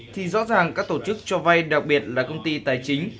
thì rõ ràng các tổ chức cho vay đặc biệt là công ty tài chính